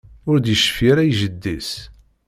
Ur d-yecfi ara i jeddi-s.